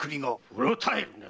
うろたえるな！